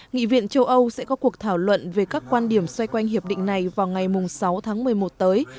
nghị viện châu âu sẽ có cuộc thảo luận về các quan điểm xoay quanh hiệp định này vào ngày sáu tháng một mươi một tới